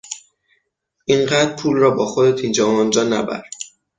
این قدر پول را با خودت اینجا و آنجا نبر!